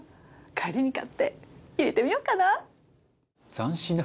帰りに買って入れてみようかな！